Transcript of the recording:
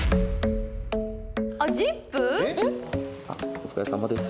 お疲れさまです。